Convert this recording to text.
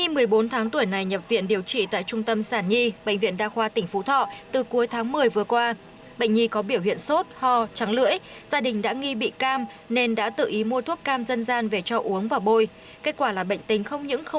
mới đây nhất tại trung tâm sản nhi bệnh viện đa khoa tỉnh phú thọ